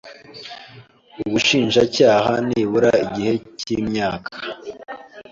ubushinjacyaha nibura igihe cy imyaka